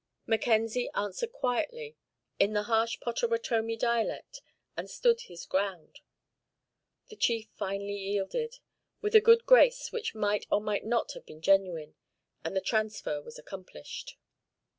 Mackenzie answered quietly, in the harsh Pottawattomie dialect, and stood his ground. The chief finally yielded, with a good grace which might or might not have been genuine, and the transfer was accomplished.